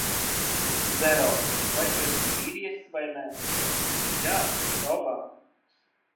-Zero, vai tu esi vīrietis vai nē? -Jā, bez šaubām!